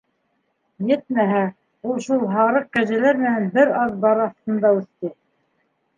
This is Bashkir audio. Етмәһә, ул шул һарыҡ-кәзәләр менән бер аҙбар аҫтында үҫте.